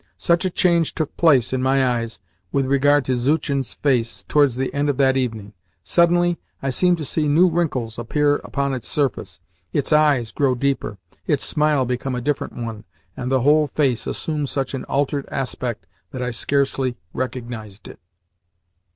Such a change took place, in my eyes, with regard to Zuchin's face towards the end of that evening. Suddenly, I seemed to see new wrinkles appear upon its surface, its eyes grow deeper, its smile become a different one, and the whole face assume such an altered aspect that I scarcely recognised it.